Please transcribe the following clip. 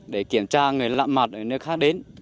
để kiểm tra người lạm mặt ở nơi khác đến